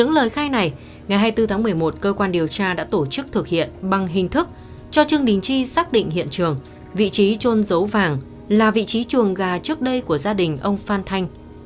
đối với hiện trường giết và cướp tài sản của bà phan thị khanh trương đình chi đã xác định vị trí tương đối phù hợp với biên bản khám nghiệm trước đây đã mô tả